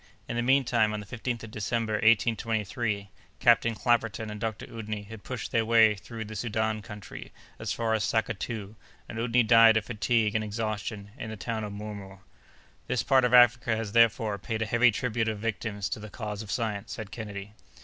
In the mean time, on the 15th of December, 1823, Captain Clapperton and Dr. Oudney had pushed their way through the Soudan country as far as Sackatoo, and Oudney died of fatigue and exhaustion in the town of Murmur." "This part of Africa has, therefore, paid a heavy tribute of victims to the cause of science," said Kennedy.